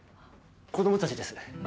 子どもたちです。